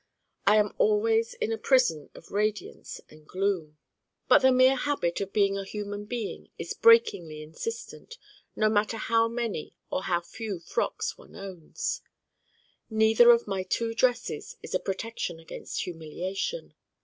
I am always in a prison of radiance and gloom. But the mere habit of being a human being is breakingly insistent no matter how many or how few frocks one owns. Neither of my two dresses is a protection against humiliation.